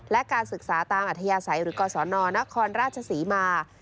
และการศึกษาตามอัธยาศัยหรือกศนนครราชศรีมา